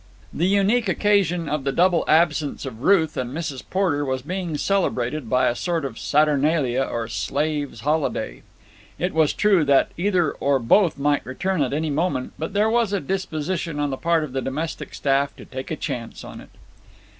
The unique occasion of the double absence of Ruth and Mrs. Porter was being celebrated by a sort of Saturnalia or slaves' holiday. It was true that either or both might return at any moment, but there was a disposition on the part of the domestic staff to take a chance on it.